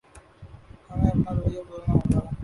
ہمیں اپنا رویہ بدلنا ہوگا